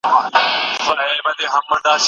که نصاب نوی وي نو زده کوونکي نوي شیان زده کوي.